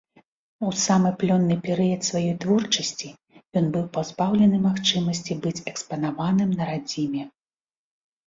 У самы плённы перыяд сваёй творчасці ён быў пазбаўлены магчымасці быць экспанаваным на радзіме.